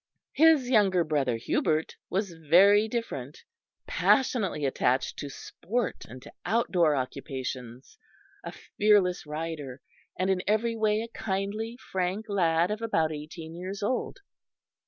His younger brother Hubert was very different; passionately attached to sport and to outdoor occupations, a fearless rider, and in every way a kindly, frank lad of about eighteen years old.